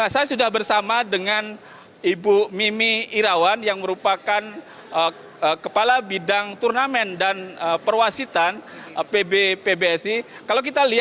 saya sudah bersama dengan ibu mimi irawan yang merupakan kepala bidang turnamen dan perwasitan pb pbsi